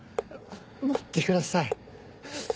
待ってください。